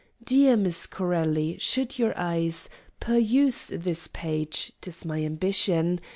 Dear Miss Corelli: Should your eyes Peruse this page ('tis my ambition!)